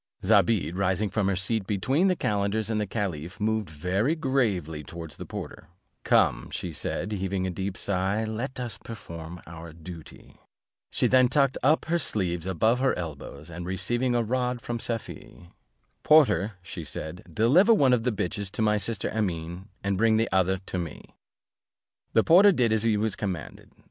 Zobeide, rising from her seat between the calenders and the caliph, moved very gravely towards the porter; "Come," said she, heaving a deep sigh, "let us perform our duty:" she then tucked up her sleeves above her elbows, and receiving a rod from Safie, "Porter," said she, "deliver one of the bitches to my sister Amene, and bring the other to me." The porter did as he was commanded.